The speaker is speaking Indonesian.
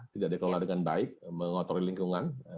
tidak dikelola dengan baik mengotori lingkungan